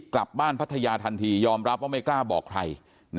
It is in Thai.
พัทยาทันทียอมรับว่าไม่กล้าบอกใคร